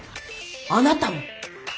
あなたも？